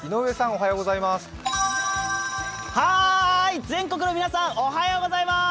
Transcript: はーい、全国の皆さん、おはようございます。